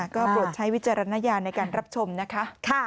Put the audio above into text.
ก็โปรดใช้วิจารณญาณในการรับชมนะคะ